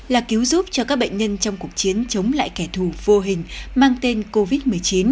là cứu giúp cho các bệnh nhân trong cuộc chiến chống lại kẻ thù vô hình mang tên covid một mươi chín